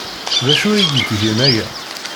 D acu ay d-yettgen aya?